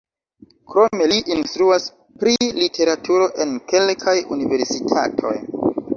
Krome li instruas pri literaturo en kelkaj universitatoj.